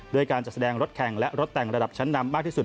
การจัดแสดงรถแข่งและรถแต่งระดับชั้นนำมากที่สุด